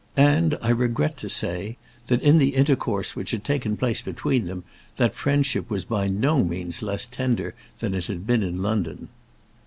And I regret to say, that in the intercourse which had taken place between them, that friendship was by no means less tender that it had been in London.